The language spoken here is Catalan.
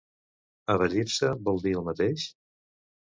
“Abellir-se” vol dir el mateix?